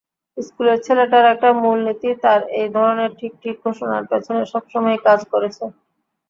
স্কুলের ছেলেটার একটা মূলনীতিই তার এই ধরনের ঠিক ঠিক ঘোষণার পেছনে সবসময়েই কাজ করেছে।